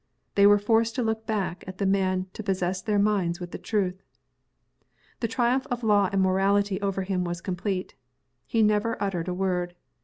They were forced to look back at the man to possess their minds with the truth. The triumph of law and morality over him was complete. He never uttered a word.